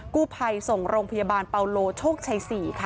กู้ภัยส่งโรงพยาบาลเปาโลโชคชัย๔ค่ะ